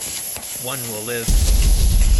One will live.